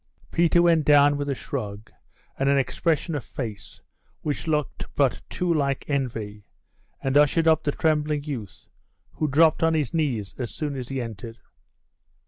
Peter went down with a shrug, and an expression of face which looked but too like envy, and ushered up the trembling youth, who dropped on his knees as soon as he entered.